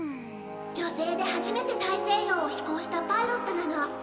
女性で初めて大西洋を飛行したパイロットなの。